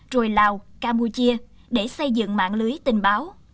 rồi lào campuchia để xây dựng mạng lưới tình báo